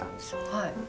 はい。